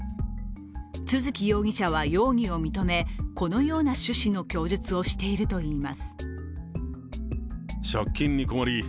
都築容疑者は容疑を認め、このような趣旨の供述をしているといいます。